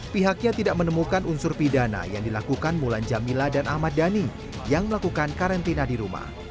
pihaknya tidak menemukan unsur pidana yang dilakukan mulan jamila dan ahmad dhani yang melakukan karantina di rumah